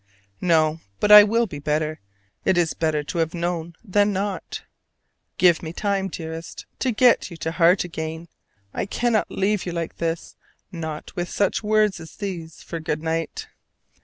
No: but I will be better: it is better to have known you than not. Give me time, dearest, to get you to heart again! I cannot leave you like this: not with such words as these for "good night!"